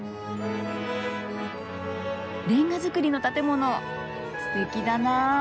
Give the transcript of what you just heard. レンガ造りの建物すてきだなあ。